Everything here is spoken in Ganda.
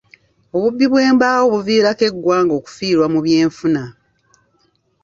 Obubbi bw'embaawo buviirako eggwanga okufiirwa mu byenfuna.